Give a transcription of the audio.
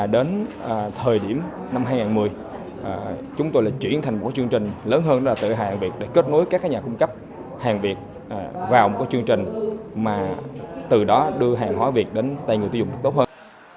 đến thời điểm năm hai nghìn một mươi chúng tôi đã chuyển thành một chương trình lớn hơn là tự hào hợp tác xã việt để kết nối các nhà cung cấp hợp tác xã việt vào một chương trình mà từ đó đưa hợp tác xã việt đến tay người tiêu dùng tốt hơn